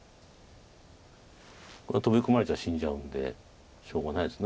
トビ込まれちゃ死んじゃうんでしょうがないです